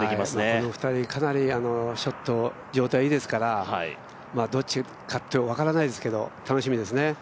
この２人、かなりショットの状態がいいですから、どっちか分からないですけど楽しみですね。